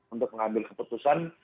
untuk mengambil keputusan